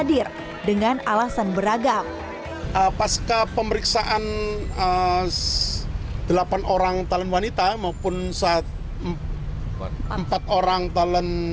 dengan alasan beragam pasca pemeriksaan delapan orang talent wanita maupun saat empat orang talent